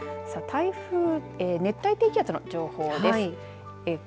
さあ、熱帯低気圧の情報です。